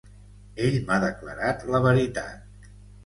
Ell m'ha declarat la veritat.